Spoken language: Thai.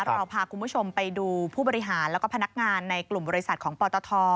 เราพาคุณผู้ชมไปดูผู้บริหารแล้วก็พนักงานในกลุ่มบริษัทของปตท